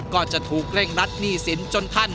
ก็จะถูกเร่งรัดหนี้สินจนท่าน